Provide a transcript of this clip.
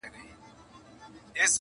د دستار سرونه یو نه سو را پاته-